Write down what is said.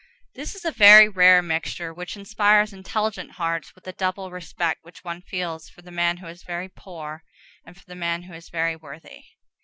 This is a very rare mixture which inspires intelligent hearts with that double respect which one feels for the man who is very poor, and for the man who is very worthy.